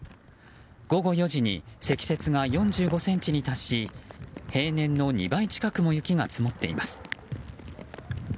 午後４時に積雪が４５ｃｍに達し平年の２倍近くも雪が積もっています。